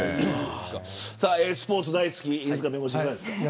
スポーツ大好き犬塚弁護士どうですか。